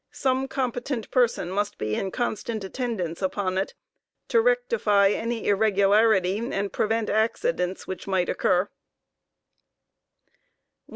Some competent person, must be in constant attendance upon it, to rectify any irregularity and prevent accidents which might occur. 192.